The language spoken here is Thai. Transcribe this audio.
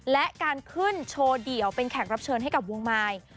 และการขึ้นโชว์เดี่ยวเป็นแขกรับเชิญให้กับวงมาย